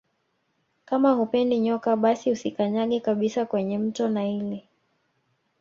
Kama hupendi nyoka basi usikanyage kabisa kwenye mto naili